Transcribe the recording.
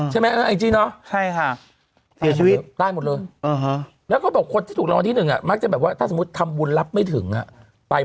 ใช่ไหมไอจีนเนาะใช่ค่ะเสียชีวิตตายหมดเลยแล้วก็แบบคนที่ถูกรางวัลที่๑อ่ะมักจะแบบว่าถ้าสมมุติทำบุญรับไม่ถึงอ่ะ